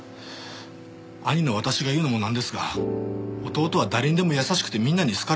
兄の私が言うのもなんですが弟は誰にでも優しくてみんなに好かれてました。